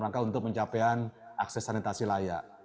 rangka untuk pencapaian akses sanitasi lainnya